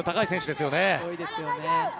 すごいですよね。